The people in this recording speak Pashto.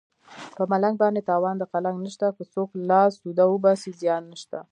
په ملنګ باندې تاوان د قلنګ نشته که څوک لاس سوده وباسي زیان نشته